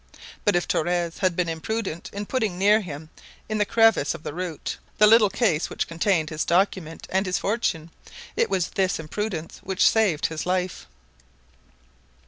But if Torres had been imprudent in putting near him in the crevice of the root the little case which contained his document and his fortune, it was this imprudence which saved his life.